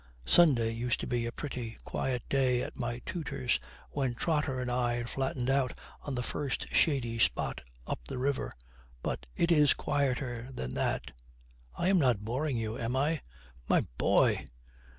Sunday used to be a pretty quiet day at my tutor's, when Trotter and I flattened out on the first shady spot up the river; but it is quieter than that. I am not boring you, am I?' 'My boy!'